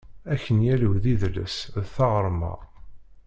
Akenyal-iw d idles, d taɣerma.